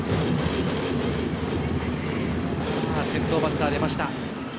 先頭バッター出ました。